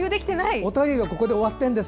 お便りはここで終わっているんです。